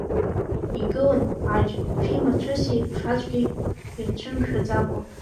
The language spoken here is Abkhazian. Игылан аџь фи-мацәыси, ԥшацәгьеи, ирцәымшәаӡакәа.